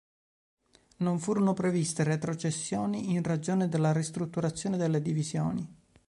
Non furono previste retrocessioni in ragione della ristrutturazione delle divisioni.